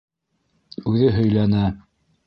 Үҙе һөйләнә: